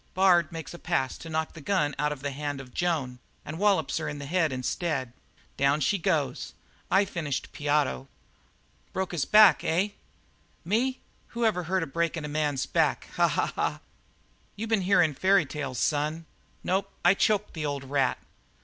Bard makes a pass to knock the gun out of the hand of Joan and wallops her on the head instead. Down she goes. I finished Piotto with my bare hands." "Broke his back, eh?" "Me? Whoever heard of breakin' a man's back? Ha, ha, ha! You been hearin' fairy tales, son. Nope, I choked the old rat."